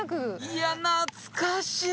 いや懐かしい！